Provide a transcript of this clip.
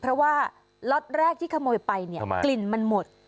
เพราะว่าล็อตแรกที่ขโมยไปเนี่ยกลิ่นมันหมด